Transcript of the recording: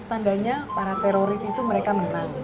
tandanya para teroris itu mereka menang